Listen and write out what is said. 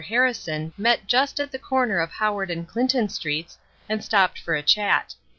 Harrison met just at the corner of Howard and Clinton Streets, and stopped for a chat.